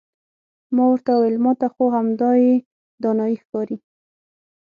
ما ورته وویل ما ته خو همدایې دانایي ښکاري.